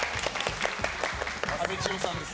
阿部知代さんです。